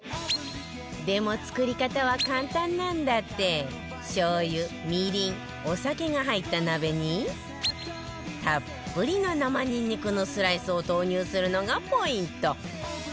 でも、作り方は簡単なんだってしょう油、みりんお酒が入った鍋にたっぷりの生ニンニクのスライスを投入するのがポイント